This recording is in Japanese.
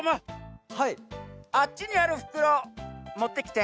あっちにあるふくろもってきて。